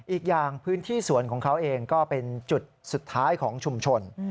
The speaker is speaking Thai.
อีกอย่างพื้นที่สวนของเขาเองก็เป็นจุดสุดท้ายของชุมชน